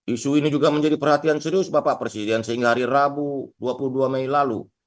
isu ini juga menjadi perhatian serius bapak presiden sehingga hari rabu dua puluh dua mei lalu